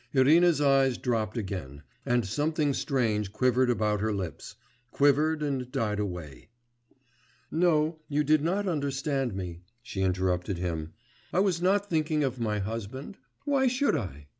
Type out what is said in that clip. Irina's eyes dropped again, and something strange quivered about her lips, quivered and died away. 'No; you did not understand me,' she interrupted him. 'I was not thinking of my husband. Why should I?